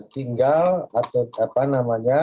tinggal atau apa namanya